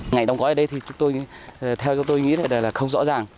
ngày đóng gói ở đây thì theo tôi nghĩ là không rõ ràng